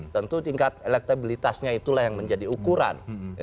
tentu tingkat elektabilitasnya itulah yang menjadi ukuran